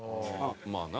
まあな。